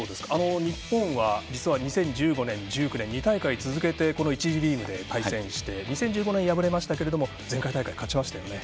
日本は実は２０１５年、１９年２大会続けて１次リーグで対戦し２０１５年は敗れましたけれども前回大会は勝ちましたよね。